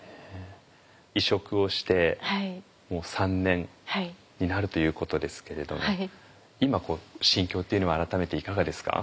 移植をしてもう３年になるということですけれど今こう心境っていうのは改めていかがですか？